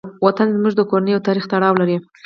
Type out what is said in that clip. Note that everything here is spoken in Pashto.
وطن زموږ د کورنۍ او تاریخ تړاو لري.